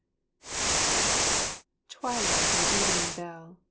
24, 25.) " Twilight and evening hell.